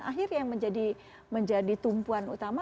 dan akhirnya yang menjadi tumpuan utama